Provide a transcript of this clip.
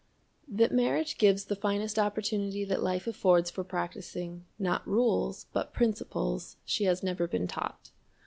That marriage gives the finest opportunity that life affords for practicing, not rules, but principles, she has never been taught.